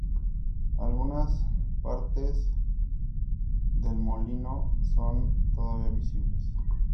Algunas partes del molino son todavía visibles.